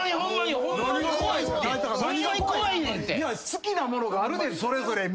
好きなものがあるねんそれぞれみんな。